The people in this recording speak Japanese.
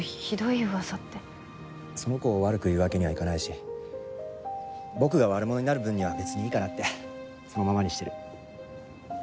その子を悪く言うわけにはいかないし僕が悪者になる分には別にいいかなってそのままにしてる。